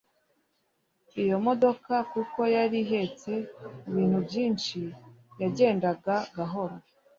Iyo modoka kuko yari ihetse ibintu byinshi yagendaga gahoro